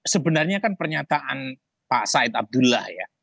sebenarnya kan pernyataan pak said abdullah ya